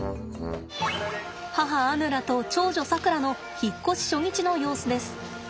母アヌラと長女さくらの引っ越し初日の様子です。